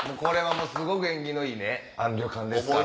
すごく縁起のいい旅館ですから。